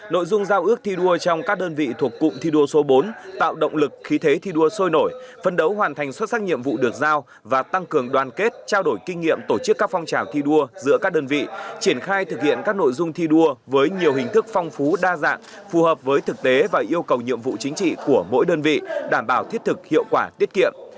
nội dung giao ước thi đua trong các đơn vị thuộc cụm thi đua số bốn tạo động lực khí thế thi đua sôi nổi phân đấu hoàn thành xuất sắc nhiệm vụ được giao và tăng cường đoàn kết trao đổi kinh nghiệm tổ chức các phong trào thi đua giữa các đơn vị triển khai thực hiện các nội dung thi đua với nhiều hình thức phong phú đa dạng phù hợp với thực tế và yêu cầu nhiệm vụ chính trị của mỗi đơn vị đảm bảo thiết thực hiệu quả tiết kiện